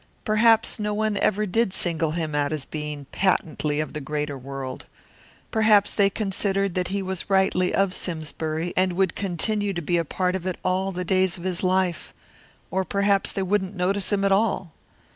Perhaps no one ever did single him out as a being patently of the greater world. Perhaps they considered that he was rightly of Simsbury and would continue to be a part of it all the days of his life; or perhaps they wouldn't notice him at all.